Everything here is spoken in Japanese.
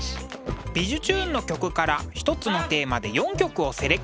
「びじゅチューン！」の曲から一つのテーマで４曲をセレクト。